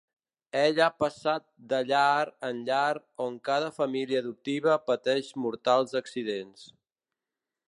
Ell ha passat de llar en llar on cada família adoptiva pateix mortals accidents.